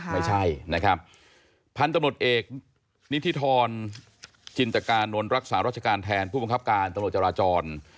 ไม่ใช่นะครับพันธุ์ตำรวจเอกนิธิธรจินตกานนท์รักษารัชการแทนผู้บังคับการตำรวจจราจร